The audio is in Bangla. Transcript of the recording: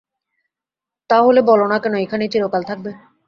তা হলে বলো-না কেন, এইখানেই চিরকাল থাকবে।